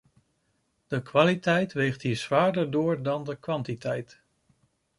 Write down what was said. De kwaliteit weegt hier zwaarder door dan de kwantiteit.